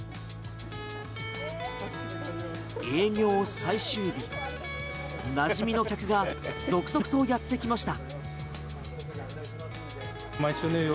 営業最終日、なじみの客が続々とやってきました。